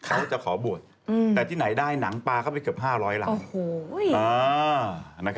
เขาจะขอบวชแต่ที่ไหนได้หนังปลาเข้าไปเกือบ๕๐๐ลำ